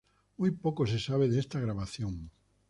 Muy poco se sabe de esta grabación.